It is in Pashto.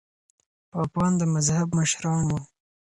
پاپان د مذهب مشران وو.